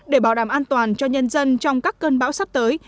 để bảo đảm an toàn cho nhân dân trong các cơn bão sắp tới